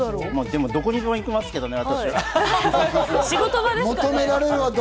でもどこでも私は行きますけどね。